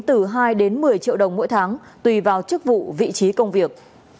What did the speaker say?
từ hai đến một mươi triệu đồng mỗi tháng tùy vào chức vụ vị trí công việc